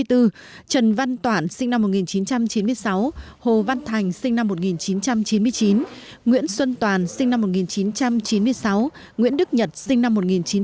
trần văn toản sinh năm một nghìn chín trăm chín mươi sáu hồ văn thành sinh năm một nghìn chín trăm chín mươi chín nguyễn xuân toàn sinh năm một nghìn chín trăm chín mươi sáu nguyễn đức nhật sinh năm một nghìn chín trăm chín mươi